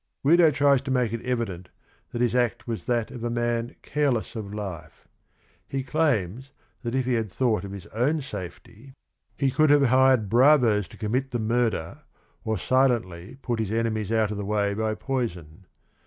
Guido tries to make it evident that his act was that of a man careless of life. He claims that if he had thought of his own safety he could COUNT GUIDO FRANCESCHINI 69 have hired bravos to commit the murder, or silently put his enemies out of the way by poison.